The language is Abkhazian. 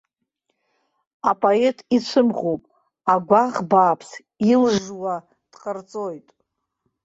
Апоет ицәымӷуп, агәаӷ бааԥс илжжуа дҟарҵоит.